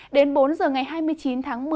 đến bốn h ngày hai mươi chín tháng một mươi